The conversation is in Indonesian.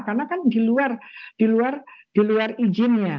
karena kan di luar izinnya